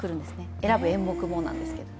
選ぶ演目もなんですけれども。